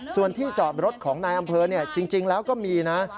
ส่วนที่จอดรถของนายอำเภอจริงแล้วก็มีนะ